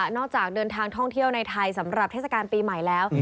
เดินทางท่องเที่ยวในไทยสำหรับเทศกาลปีใหม่แล้ว